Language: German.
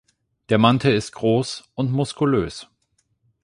Der Mantel ist groß und muskulös.